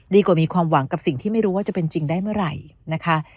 มีความหวังกับสิ่งที่ไม่รู้ว่าจะเป็นจริงได้เมื่อไหร่นะคะ